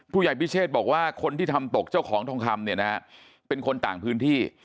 ผู้ใหญ่พิเชษบอกว่าคนที่ทำตกเจ้าของทองคำเนี่ยนะฮะเป็นคนต่างพื้นที่